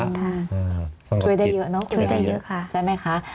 ช่วยได้เยอะเนอะช่วยได้เยอะค่ะใช่ไหมคะ